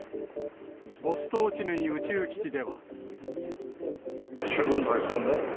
ボストーチヌイ宇宙基地では。